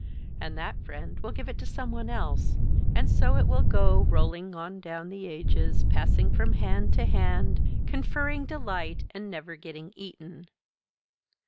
And that friend will give it to some one else, and so it will go rolling on down the ages, passing from hand to hand, conferring delight, and never getting eaten.